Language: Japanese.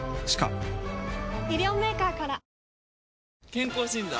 健康診断？